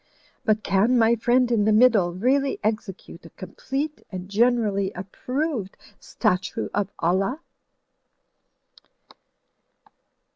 But can my friend in the middle really execute a complete and generally approved statue of Allah?"